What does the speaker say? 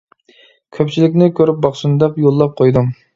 كۆپچىلىكنى كۆرۈپ باقسۇن دەپ يوللاپ قويدۇم.